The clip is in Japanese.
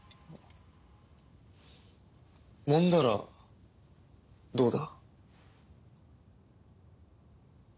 もんだらどうだ？